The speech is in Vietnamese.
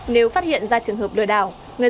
nếu phát hiện ra trường hợp lừa đảo